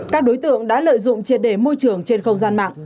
các đối tượng đã lợi dụng triệt đề môi trường trên không gian mạng